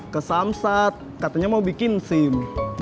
ke samsat katanya mau bikin sim